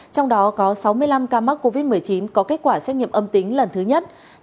trong đó có sáu mươi năm ca mắc covid một mươi chín có kết quả xét nghiệm âm tính lần thứ nhất